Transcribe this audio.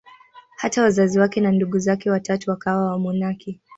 Hata wazazi wake na ndugu zake watatu wakawa wamonaki.